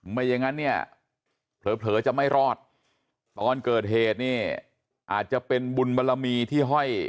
ไม่อย่างนั้นเนี่ยเผลอจะไม่รอดตอนเกิดเหตุเนี่ยอาจจะเป็นบุญบรมีที่ห้อย